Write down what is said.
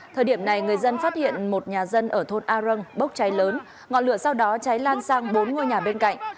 thời điểm này người dân phát hiện một nhà dân ở thôn a râng bốc cháy lớn ngọn lửa sau đó cháy lan sang bốn ngôi nhà bên cạnh